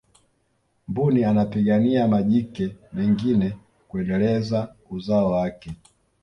mbuni anapigania majike mengine kuendeleza uzao wake